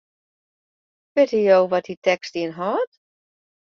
Witte jo wat dy tekst ynhâldt?